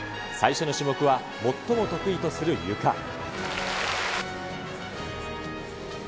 最初の種目は最も得意とするゆか。